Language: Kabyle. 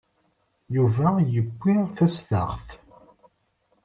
Yuba yewwi tastaɣt.